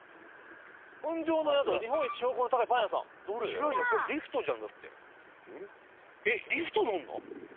違うじゃんそれ、リフトじゃん、だって。